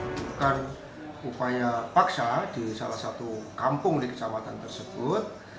melakukan upaya paksa di salah satu kampung di kecamatan tersebut